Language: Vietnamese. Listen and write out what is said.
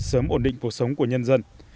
sớm ổn định cuộc sống của nhân dân